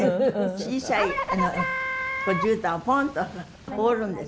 小さいじゅうたんをポンと放るんです。